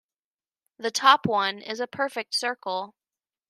The top one is a perfect circle.